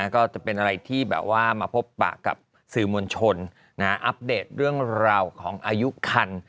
ก็จะเป็นอะไรที่แบบว่ามาพบปะกับสื่อมวลชนอัปเดตเรื่องราวของอายุคัน